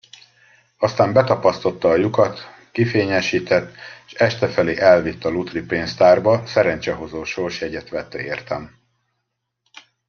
Aztán betapasztotta a lyukat, kifényesített, s estefelé elvitt a lutripénztárba, szerencsehozó sorsjegyet vett értem.